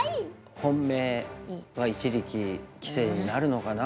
本命は一力棋聖になるのかな。